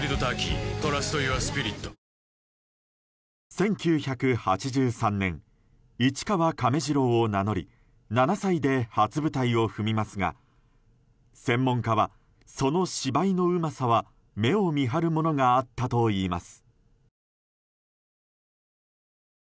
１９８３年市川亀治郎を名乗り７歳で初舞台を踏みますが専門家はその芝居のうまさは目を見張るものがあったといいます。